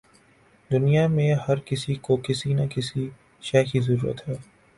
دنیا میں ہر کسی کو کسی نہ کسی شے کی ضرورت ہے۔